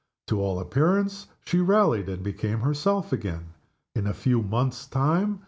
To all appearance she rallied, and became herself again, in a few months' time.